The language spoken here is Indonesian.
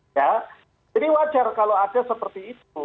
jadi wajar kalau ada seperti itu